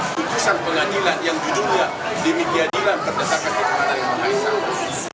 kutusan pengadilan yang judulnya demikianilang terdekatkan di peraturan yang terakhir